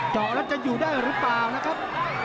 เจาะแล้วจะอยู่ได้หรือเปล่านะครับ